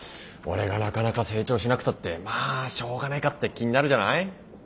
俺がなかなか成長しなくたってまあしょうがないかって気になるじゃない？